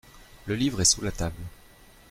Le livre est sous la table.